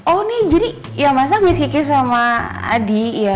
oh nih jadi ya masa miz kiki sama adi ya